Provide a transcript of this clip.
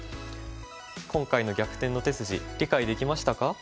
今回の「逆転の手筋」理解できましたか？